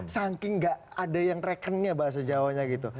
sangking enggak ada yang rekennya bahasa jawanya gitu